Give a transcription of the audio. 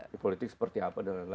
di politik seperti apa dan lain lain